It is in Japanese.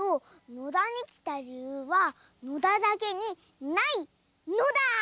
野田にきたりゆうは野田だけにないのだ！